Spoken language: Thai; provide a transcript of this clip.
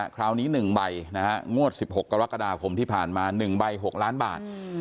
คราวนี้๑ใบงวด๑๖กรกฎาคมที่ผ่านมา๑ใบ๖ล้านบาท